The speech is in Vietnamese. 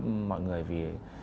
mọi người vì